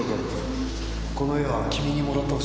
この絵は君にもらってほしい。